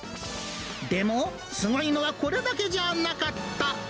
でも、すごいのはこれだけじゃなかった。